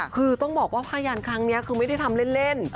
คือต้องบอกว่าผ้ายันครั้งนี้คือไม่ได้ทำเล่น